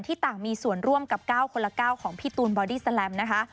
ที่ต่างมีส่วนร่วมกับก้าวคนละก้าวของพี่ตูนบอดี้สแลมนะคะ